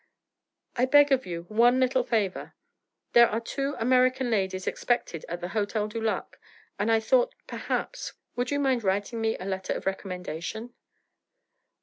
'I beg of you one little favour. There are two American ladies expected at the Hotel du Lac and I thought perhaps would you mind writing me a letter of recommendation?'